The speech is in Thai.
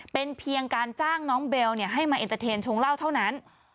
เป็นเพียงการจ้างน้องเบลให้มาเอ็นเตอร์เทนชงเหล้าเท่านั้น